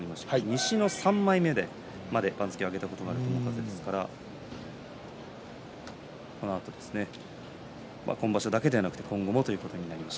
西の３枚目まで番付を上げたことがある友風ですからこのあと今場所だけではなくて今後もということになります。